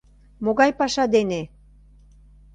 Могай паша дене?